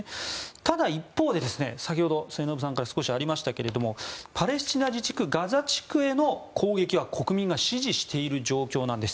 ただ、一方で先ほど末延さんから少しありましたがパレスチナ自治区ガザ地区への攻撃は国民が支持している状況なんです。